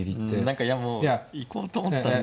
何かいやもう行こうと思った。